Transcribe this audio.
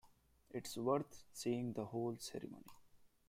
It's worth seeing the whole ceremony.